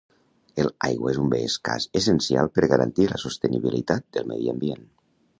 El aigua és un bé escàs essencial per garantir la sostenibilitat del medi ambient